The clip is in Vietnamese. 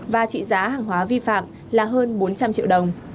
và trị giá hàng hóa vi phạm là hơn bốn trăm linh triệu đồng